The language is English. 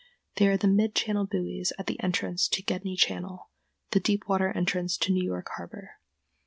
They are the mid channel buoys at the entrance to Gedney Channel, the deep water entrance to New York harbor.